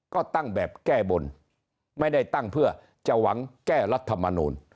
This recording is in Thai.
ก็ตั้งแบบแก้บนไม่ได้ตั้งเพื่อจะหวังแก้รัฐมนูล